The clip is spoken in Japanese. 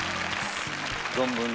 存分に。